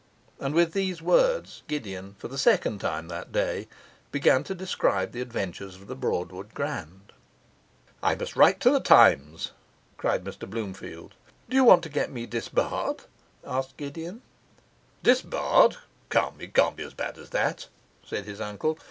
And with these words, Gideon, for the second time that day, began to describe the adventures of the Broadwood Grand. 'I must write to The Times,' cried Mr Bloomfield. 'Do you want to get me disbarred?' asked Gideon. 'Disbarred! Come, it can't be as bad as that,' said his uncle.